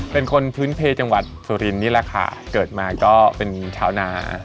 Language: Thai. เป็นคนพื้นเพจังหวัดสุรินนี่แหละค่ะเกิดมาก็เป็นชาวนา